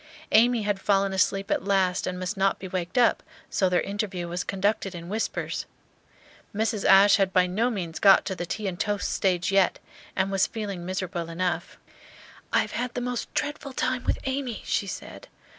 Amy had fallen asleep at last and must not be waked up, so their interview was conducted in whispers. Mrs. Ashe had by no means got to the tea and toast stage yet, and was feeling miserable enough. "I have had the most dreadful time with Amy," she said.